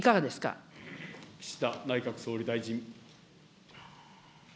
岸田内閣総理大臣。